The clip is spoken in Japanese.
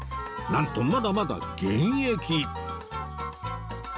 なんとまだまだ現役